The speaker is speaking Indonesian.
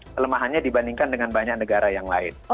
kelemahannya dibandingkan dengan banyak negara yang lain